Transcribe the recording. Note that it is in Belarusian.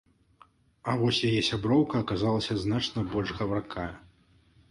А вось яе сяброўка аказалася значна больш гаваркая.